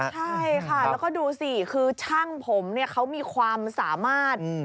ใช่ค่ะแล้วก็ดูสิคือช่างผมเนี่ยเขามีความสามารถ